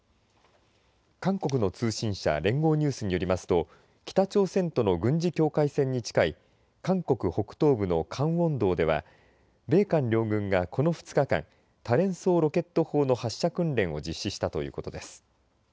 韓国の通信社連合ニュースによりますと北朝鮮との軍事境界線に近い韓国北東部のカンウォン道では米韓両軍がこの２日間多連装ロケット砲の発射訓練を実施したということです。